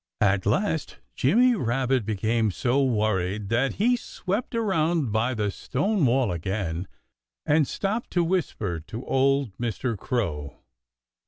At last Jimmy Rabbit became so worried that he swept around by the stone wall again and stopped to whisper to old Mr. Crow.